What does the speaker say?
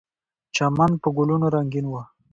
چمن په ګلونو رنګین و.